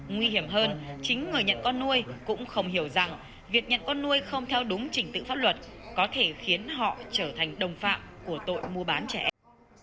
nguy hiểm hơn chính người nhận con nuôi cũng không hiểu rằng việc nhận con nuôi không theo đúng trình tự pháp luật có thể khiến họ trở thành đồng phạm của tội mua bán trẻ em